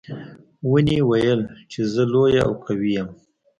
ونې ویل چې زه لویه او قوي یم.